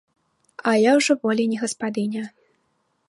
А я ўжо болей не гаспадыня.